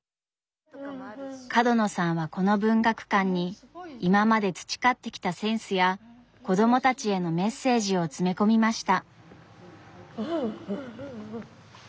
角野さんはこの文学館に今まで培ってきたセンスや子供たちへのメッセージを詰め込みました。